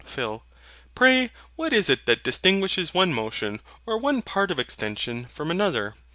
PHIL. Pray what is it that distinguishes one motion, or one part of extension, from another?